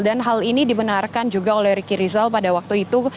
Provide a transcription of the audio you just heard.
hal ini dibenarkan juga oleh ricky rizal pada waktu itu